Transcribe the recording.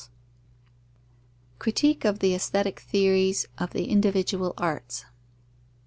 _Critique of the aesthetic theories of the individual arts.